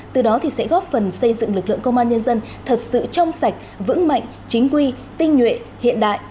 từ đó sẽ góp phần xây dựng lực lượng công an nhân dân thật sự trong sạch vững mạnh chính quy tinh nhuệ hiện đại